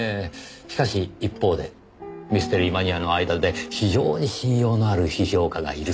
しかし一方でミステリーマニアの間で非常に信用のある批評家がいるそうです。